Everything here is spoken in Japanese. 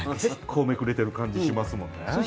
結構めくれてる感じしますもんね。